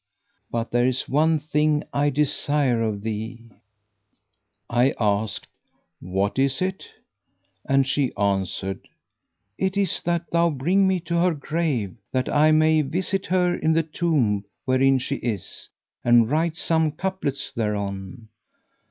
But there is one thing I desire of thee." I asked, "What is it?"; and she answered, "It is that thou bring me to her grave, that I may visit her in the tomb wherein she is and write some couplets thereon."